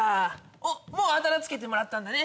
おっもうあだ名つけてもらったんだね。